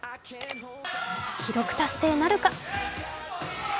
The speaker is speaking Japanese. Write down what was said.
記録達成なるか？